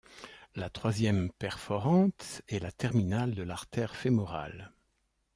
La troisième perforante est la terminale de l'artère fémorale.